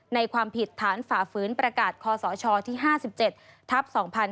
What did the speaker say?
ความผิดฐานฝ่าฝืนประกาศคศที่๕๗ทัพ๒๕๕๙